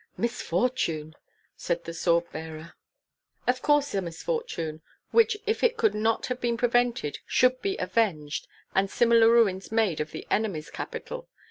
"Misfortune!" said the sword bearer. "Of course a misfortune, which if it could not have been prevented should be avenged and similar ruins made of the enemy's capital.